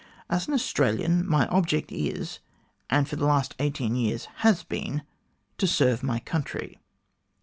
As an Australian, my object is, and for the last eighteen years has been, to serve my country."